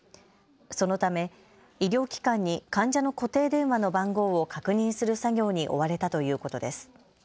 そのため、医療機関に患者の固定電話の番号を確認する作業に追われたということです。